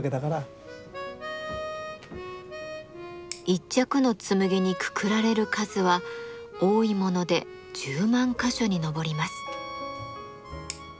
一着の紬にくくられる数は多いもので１０万か所に上ります。